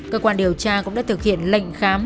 cơ quan điều tra cũng đã thực hiện lệnh khám